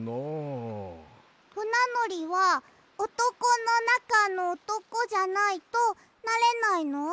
ふなのりはおとこのなかのおとこじゃないとなれないの？